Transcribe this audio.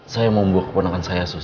saya mau membawa keponakan saya sus